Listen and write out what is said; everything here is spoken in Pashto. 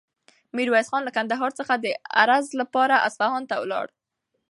میرویس خان له کندهار څخه د عرض لپاره اصفهان ته ولاړ.